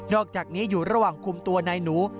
อกจากนี้อยู่ระหว่างคุมตัวนายหนู